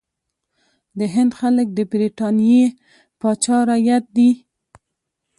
د هند خلک د برټانیې پاچا رعیت دي.